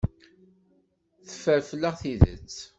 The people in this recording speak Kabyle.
Teffer fell-aɣ tidet.